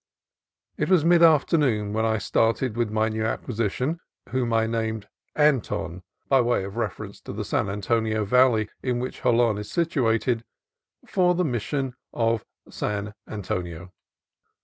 It was mid afternoon when I started with my new acquisition (whom I named Anton, by way of re ference to the San Antonio Valley, in which Jolon is situated) for the Mission of San Antonio.